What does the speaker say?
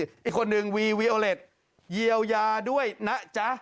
อีกคนนึงวีวีโอเล็ตเยียวยาด้วยนะจ๊ะ